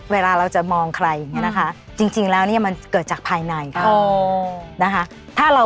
เวลาเราจะมองใครอย่างนี้นะคะจริงแล้วเนี่ยมันเกิดจากภายในเขานะคะ